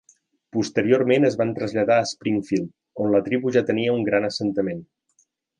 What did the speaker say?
Posteriorment es van traslladar a Springfield on la tribu ja tenia un gran assentament.